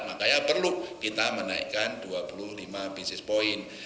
makanya perlu kita menaikkan dua puluh lima basis point